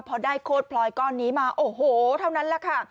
พอได้โคตรพลอยก้อนนี้มาโอ้โหเท่านั้นแหละค่ะ